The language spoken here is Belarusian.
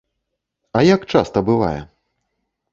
А як часта бывае?